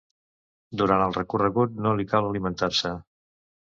Durant el recorregut no li cal alimentar-se.